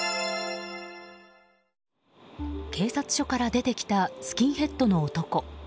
警察署から出てきたスキンヘッドの男。